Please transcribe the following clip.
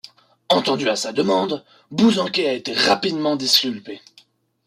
Entendu à sa demande, Bouzanquet a été rapidement disculpé.